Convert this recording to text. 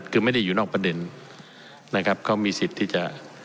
คือไม่ได้อยู่นอกประเด็นนะครับเขามีสิทธิ์ที่จะ